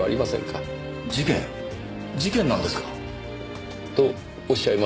事件なんですか？とおっしゃいますと？